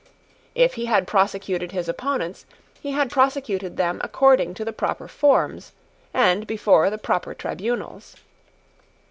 If he had prosecuted his opponents, he had prosecuted them according to the proper forms, and before the proper tribunals.